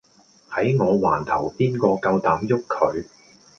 喺我環頭邊個夠膽喐佢